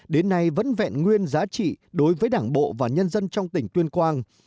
đến nay vẫn vẹn nguyên giá trị đối với đảng bộ và nhân dân trong tỉnh tuyên quang